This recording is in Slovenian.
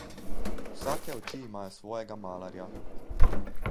Vsake oči imajo svojega malarja.